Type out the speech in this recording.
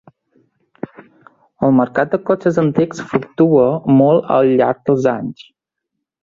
El marcat de cotxes antics fluctua molt al llarg dels anys.